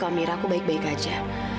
kamu ngetes apa lagi zahira